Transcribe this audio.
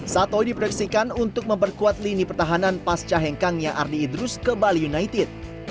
satoi diproyeksikan untuk memperkuat lini pertahanan pasca hengkangnya ardi idrus ke bali united